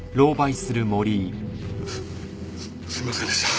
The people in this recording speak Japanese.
すすいませんでした。